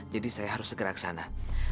jadi saya harus segera ke sana